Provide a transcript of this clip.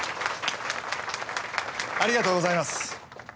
ありがとうございます。